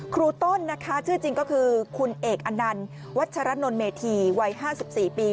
ครูต้นนะคะชื่อจริงก็คือคุณเอกอนันต์วัชรนเมธีวัย๕๔ปี